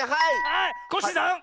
はいコッシーさん！